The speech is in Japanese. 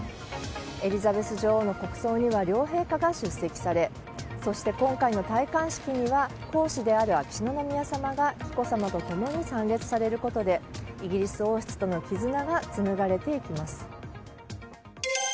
エリザベス女王の国葬には両陛下が出席されそして今回の戴冠式には皇嗣である秋篠宮さまが紀子さまと共に参列されることでイギリス王室との絆が紡がれていきます。